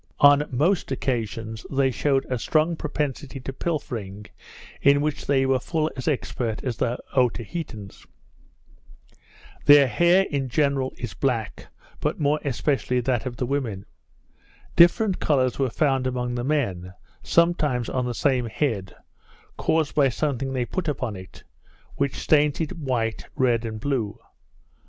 On most occasions they shewed a strong propensity to pilfering; in which they were full as expert as the Otaheitans. Their hair in general is black, but more especially that of the women. Different colours were found among the men, sometimes on the same head, caused by something they put upon it, which stains it white, red, and blue.